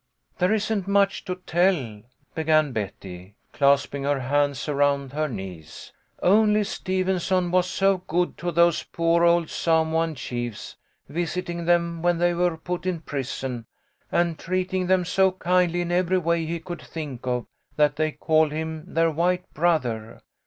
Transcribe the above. " There isn't much to tell," began Betty, clasping her hands around her knees. " Only Stevenson was so good to those poor old Samoan chiefs, visiting them when they were put in prison, and treating them so kindly in every way he could think of, that they called him their white brother.